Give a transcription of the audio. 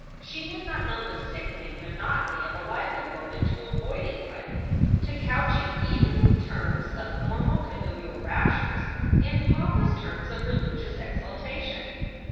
She had not known the sickening monotony of a life devoted to avoiding life, to couching even the terms of normal connubial raptures in pompous terms of religious exaltation.